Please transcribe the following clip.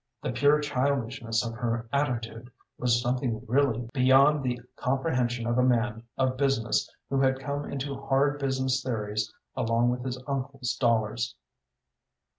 The pure childishness of her attitude was something really beyond the comprehension of a man of business who had come into hard business theories along with his uncle's dollars.